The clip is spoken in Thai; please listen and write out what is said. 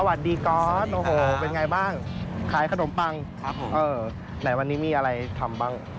สวัสดีก๊อตเป็นอย่างไรบ้างขายขนมปังแหมวันนี้มีอะไรทำบ้าง